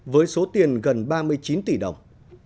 với số tiền gần ba mươi chín tỷ đồng